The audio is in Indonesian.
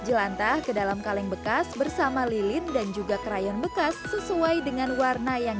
jelantah ke dalam kaleng bekas bersama lilin dan juga krayon bekas sesuai dengan warna yang